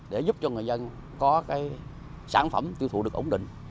để giúp cho người dân có cái sản phẩm tiêu thụ được ổn định